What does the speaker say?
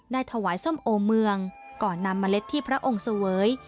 ถวายส้มโอเมืองก่อนนำเมล็ดที่พระองค์เสวย